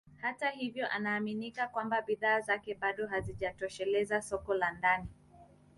Hata hivyo anaamini kwamba bidhaa zake bado hazijatosheleza soko la ndani